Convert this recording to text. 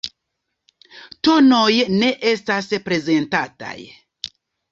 Tonoj ne estas prezentataj.